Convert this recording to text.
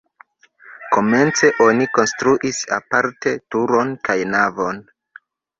Komence oni konstruis aparte turon kaj navon.